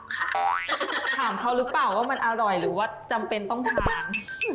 ถามเขาหรือเปล่าว่ามันอร่อยหรือว่าจำเป็นต้องทาน